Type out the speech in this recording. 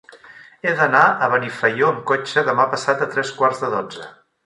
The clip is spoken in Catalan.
He d'anar a Benifaió amb cotxe demà passat a tres quarts de dotze.